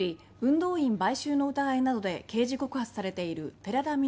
動員買収の疑いなどで刑事告発されている寺田稔